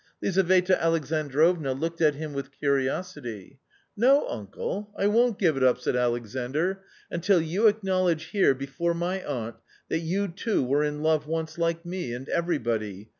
Lizaveta Alexandrovna looked at him with curiosity. "No, uncle, I won't give it up," said Alexandr, "until you • acknowledge here, before my aunt, that you too were in love 1 once, like me, and everybody